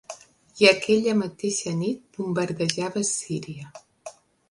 I aquella mateixa nit bombardejava Síria.